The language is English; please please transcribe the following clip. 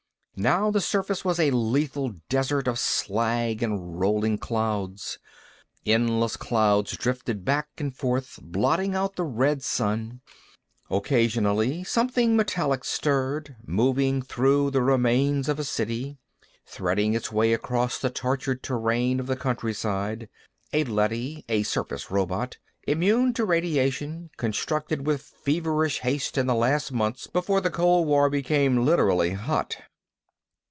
Now the surface was a lethal desert of slag and rolling clouds. Endless clouds drifted back and forth, blotting out the red Sun. Occasionally something metallic stirred, moving through the remains of a city, threading its way across the tortured terrain of the countryside. A leady, a surface robot, immune to radiation, constructed with feverish haste in the last months before the cold war became literally hot.